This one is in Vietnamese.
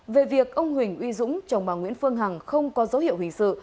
về việc ông huỳnh uy dũng chồng bà nguyễn phương hằng không có dấu hiệu hình sự